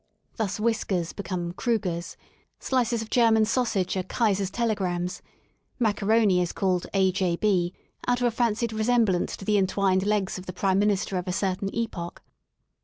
— ^Thus whiskers become Kru gers"j slices of German sausage are Kaiser's telegrams; macaroni is called '*A, J* B/* out of a fancied resemblance to the entwined legs of the Prime Minister of a certain epoch.